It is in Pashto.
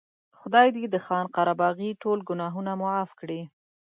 خدای دې خان قره باغي ټول ګناهونه معاف کړي.